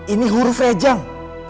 ini huruf rejang